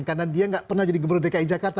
karena dia nggak pernah jadi gubernur dki jakarta